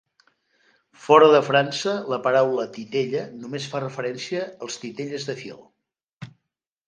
Fora de França, la paraula "titella" només fa referència als titelles de fil.